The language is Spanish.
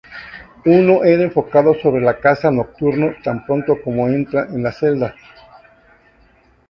Uno era enfocado sobre el caza nocturno tan pronto como entrara en la celda.